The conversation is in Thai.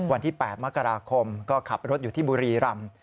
วันที่๘มกราคมก็ขับรถอยู่ที่บุรีรำ